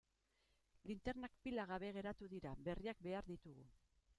Linternak pila gabe geratu dira, berriak behar ditugu.